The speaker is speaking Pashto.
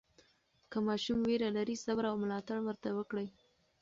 که ماشوم ویره لري، صبر او ملاتړ ورته وکړئ.